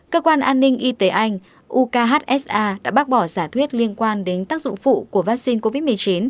cơ quan an ninh y tế anh uksa đã bác bỏ giả thuyết liên quan đến tác dụng phụ của vaccine covid một mươi chín